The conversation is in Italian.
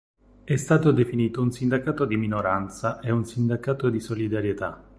È stato definito un sindacato di minoranza e un sindacato di solidarietà.